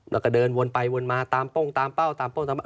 แล้วก็เดินวนไปวนมาตามโป้งตามเป้าตามโป้งตาม